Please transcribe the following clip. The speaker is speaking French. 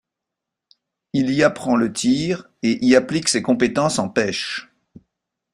Il y apprend le tir et y applique ses compétences en pèche.